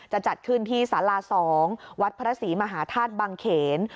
จะจัดขึ้นที่สารา๒วัดพระศรีมหาธาตุบังเขน